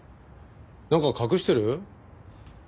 なんか隠してる？